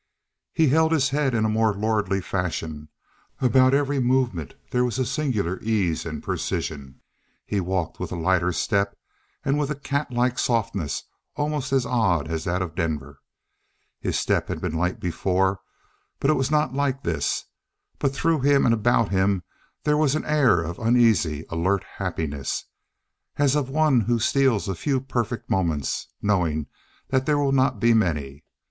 He held his head in a more lordly fashion. About every movement there was a singular ease and precision. He walked with a lighter step and with a catlike softness almost as odd as that of Denver. His step had been light before, but it was not like this. But through him and about him there was an air of uneasy, alert happiness as of one who steals a few perfect moments, knowing that they will not be many.